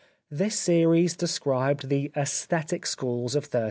This series described the '' ^Esthetic Schools of 1300."